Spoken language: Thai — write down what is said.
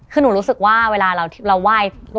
คือหนูรู้สึกว่าเวลาเราไหว้